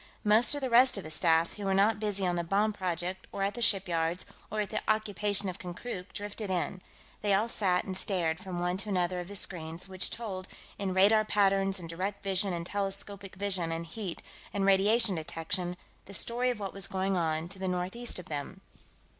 Most of the rest of his staff who were not busy on the bomb project or at the shipyards or with the occupation of Konkrook drifted in; they all sat and stared from one to another of the screens, which told, in radar patterns and direct vision and telescopic vision and heat and radiation detection, the story of what was going on to the northeast of them.